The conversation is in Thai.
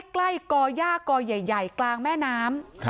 ก่อย่ากอใหญ่กลางแม่น้ำ